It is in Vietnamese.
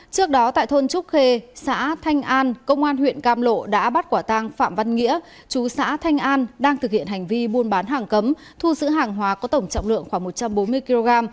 trước đó tại thôn trúc khê xã thanh an công an huyện cam lộ đã bắt quả tăng phạm văn nghĩa chú xã thanh an đang thực hiện hành vi buôn bán hàng cấm thu giữ hàng hóa có tổng trọng lượng khoảng một trăm bốn mươi kg